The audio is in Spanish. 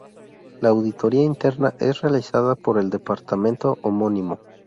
La auditoría interna es realizada por el departamento homónimo.